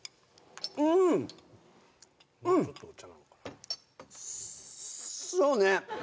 うんうんちょっとお茶なのかそうね